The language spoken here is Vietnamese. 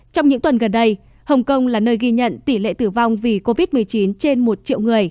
trong những tuần gần đây hồng kông là nơi ghi nhận tỷ lệ tử vong vì covid một mươi chín trên một triệu người